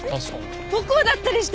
母校だったりして。